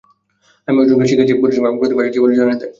আমি অর্জুনকে শিখিয়েছি যে পরিশ্রম এবং প্রতিভাই জীবনে জয় এনে দেয়।